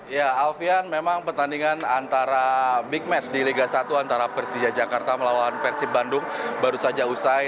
ya alfian memang pertandingan antara big match di liga satu antara persija jakarta melawan persib bandung baru saja usai